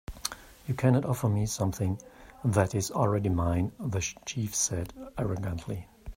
"You can't offer me something that is already mine," the chief said, arrogantly.